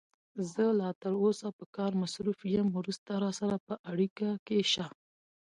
زه لا تر اوسه په کار مصروف یم، وروسته راسره په اړیکه کې شه.